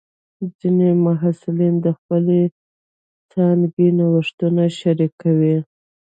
ځینې محصلین د خپلې څانګې نوښتونه شریکوي.